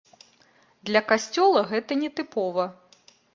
Для касцёла гэта не тыпова.